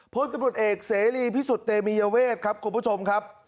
พลตำรวจเอกเสรีพิสุทธิเตมียเวทครับคุณผู้ชมครับ